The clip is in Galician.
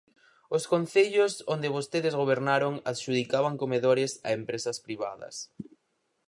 Os concellos onde vostedes gobernaron adxudicaban comedores a empresas privadas.